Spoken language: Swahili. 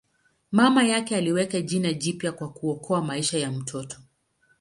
Mama yake aliweka jina jipya kwa kuokoa maisha ya mtoto.